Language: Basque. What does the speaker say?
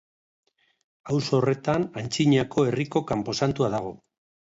Auzo horretan antzinako herriko kanposantua dago.